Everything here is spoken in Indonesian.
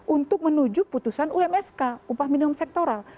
untuk menuju ke putusan umk upah minimum sektoral